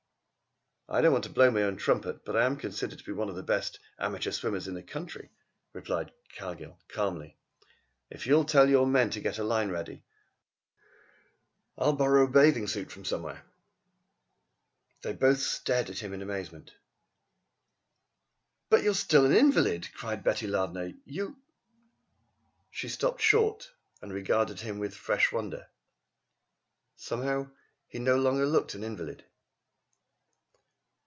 "I don't want to blow my own trumpet, but I am considered to be one of the best amateur swimmers in the country," replied Cargill calmly. "If you will tell your men to get the line ready, I will borrow a bathing suit from somewhere." They both stared at him in amazement. "But you are still an invalid," cried Betty Lardner. "You " She stopped short and regarded him with fresh wonder. Somehow he no longer looked an invalid.